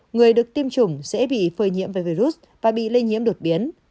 người được tiêm chủng dễ bị phơi nhiễm về virus và bị lây nhiễm đột biến